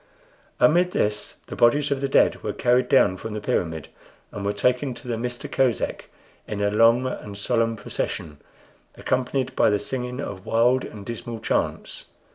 Amid this the bodies of the dead were carried down from the pyramid, and were taken to the Mista Kosek in a long and solemn procession, accompanied by the singing of wild and dismal chants.